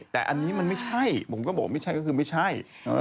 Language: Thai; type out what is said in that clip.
แต่อันนี้มันไม่ใช่ผมก็บอกไม่ใช่ก็คือไม่ใช่